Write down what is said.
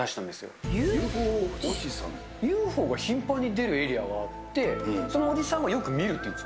ＵＦＯが頻繁に出るエリアがあって、そのおじさんはよく見るって言うんです。